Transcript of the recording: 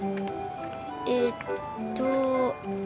えっと。